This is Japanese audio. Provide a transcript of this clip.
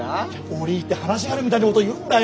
折り入って話があるみたいなこと言うんだよ。